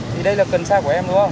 thì đây là cần xa của em đúng không